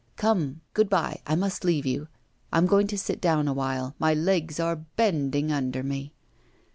Come, good bye, I must leave you. I'm going to sit down a while. My legs are bending under me.